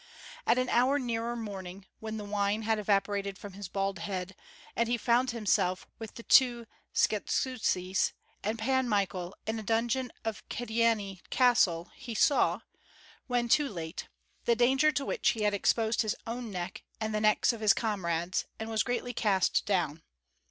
At an hour nearer morning, when the wine had evaporated from his bald head, and he found himself with the two Skshetuskis and Pan Michael in a dungeon of Kyedani Castle, he saw, when too late, the danger to which he had exposed his own neck and the necks of his comrades, and was greatly cast down.